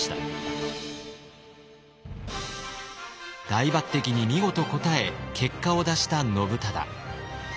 大抜擢に見事応え結果を出した信忠。